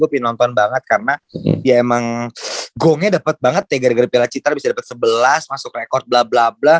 lebih nonton banget karena ya emang gongnya dapet banget ya gara gara piala citra bisa dapat sebelas masuk rekod bla bla bla